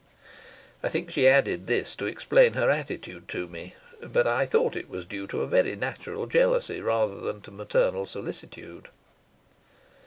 I think she added this to explain her attitude to me, but I thought it was due to a very natural jealousy rather than to maternal solicitude.